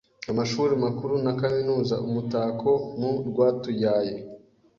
Amashuri makuru na kaminuza Umutako mu rwatuyaye